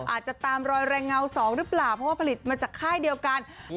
อาจจะตามรอยแรงเงา๒หรือเปล่าเพราะว่าผลิตมาจากค่ายเดียวกัน